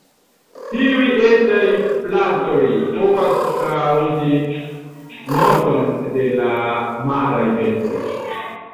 Tiuj etaj plastoj povas kaŭzi morton de la maraj bestoj.